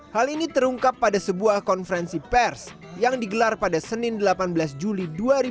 hal ini terungkap pada sebuah konferensi pers yang digelar pada senin delapan belas juli dua ribu dua puluh